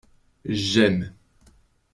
J’aime.